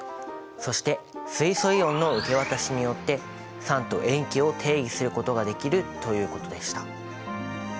そして水素イオンの受け渡しによって酸と塩基を定義することができるということでした。